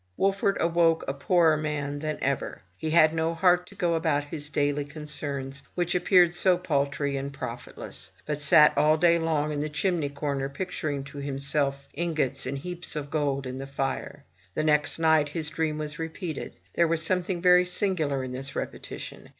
Wolfert awoke a poorer man than ever. He had no heart to go about his daily concerns, which appeared so paltry and profit less; but sat all day long in the chimney comer, picturing to himself ingots and heaps of gold in the fire. The next night his dream was repeated. There was scmiething very singular in this repetition.